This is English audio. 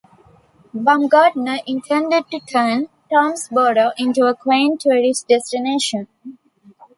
Bumgardner intended to turn Toomsboro into a quaint tourist destination.